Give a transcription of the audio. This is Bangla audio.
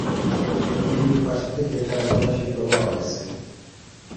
ঢিবির পাশে থেকে টেরাকোটা শিল্প পাওয়া গিয়েছে।